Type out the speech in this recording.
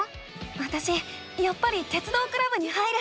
わたしやっぱり鉄道クラブに入る。